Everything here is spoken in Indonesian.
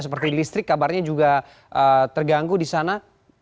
seperti listrik kabarnya juga terganggu di sana